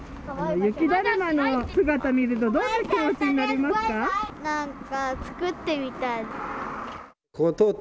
雪だるまの姿見るとどんな気持ちになりますか。